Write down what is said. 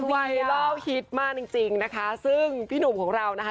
ไวรัลฮิตมากจริงจริงนะคะซึ่งพี่หนุ่มของเรานะคะ